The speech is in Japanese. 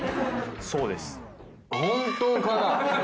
そうです。